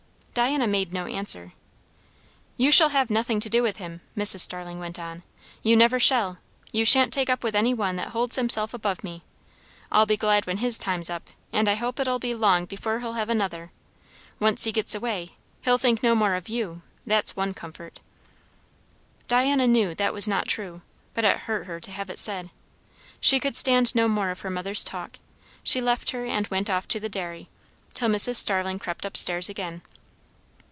Diana made no answer. "You shall have nothing to do with him," Mrs. Starling went on. "You never shall. You sha'n't take up with any one that holds himself above me. I'll be glad when his time's up; and I hope it'll be long before he'll have another. Once he gets away, he'll think no more of you, that's one comfort." Diana knew that was not true; but it hurt her to have it said. She could stand no more of her mother's talk; she left her and went off to the dairy, till Mrs. Starling crept up stairs again.